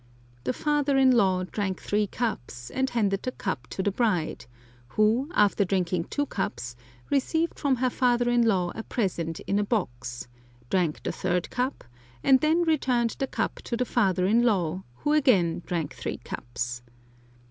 The father in law drank three cups, and handed the cup to the bride, who, after drinking two cups, received from her father in law a present in a box, drank the third cup, and then returned the cup to the father in law, who again drank three cups.